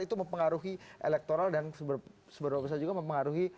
itu mempengaruhi elektoral dan seberapa besar juga mempengaruhi